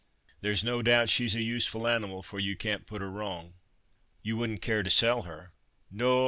There's no doubt she's a useful animal, for you can't put her wrong." "You wouldn't care to sell her?" "No!